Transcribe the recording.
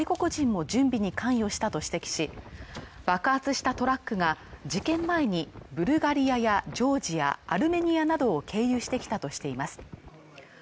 バストリキン氏はロシア人や外国人も準備に関与したと指摘し爆発したトラックが事件前にブルガリアやジョージア、アルメニアなどを経由してきたとしています